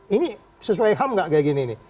ini sesuai ham gak kayak gini nih